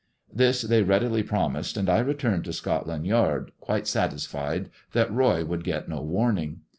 This they readily promised, and I returned to Scotland Yard, quite satisfied that Roy would get no warning.